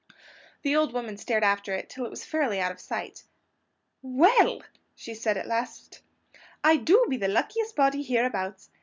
The old woman stared after it, till it was fairly out of sight. "WELL!" she said at last, "I do be the luckiest body hereabouts!